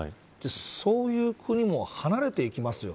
そういう国も離れていきますよ。